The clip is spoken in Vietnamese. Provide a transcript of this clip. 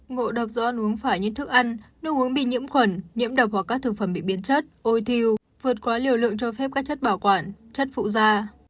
ngộ độc do ăn uống phải như thức ăn nước uống bị nhiễm khuẩn nhiễm độc hoặc các thực phẩm bị biến chất ôi thiêu vượt quá liều lượng cho phép các chất bảo quản chất phụ da